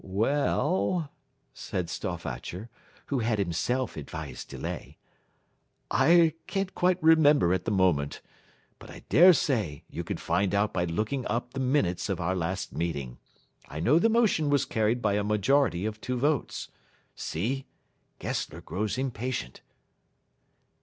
"We e ll," said Stauffacher (who had himself advised delay), "I can't quite remember at the moment, but I dare say you could find out by looking up the minutes of our last meeting. I know the motion was carried by a majority of two votes. See! Gessler grows impatient."